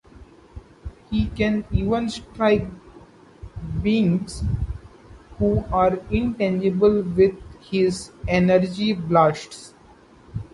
He can even strike beings who are intangible with his energy blasts.